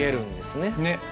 ねっ。